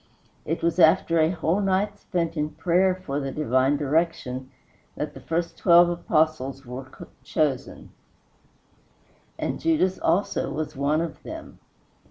It was after a whole night spent in prayer for the divine direction that the first twelve Apostles were chosen; and Judas also was one of them.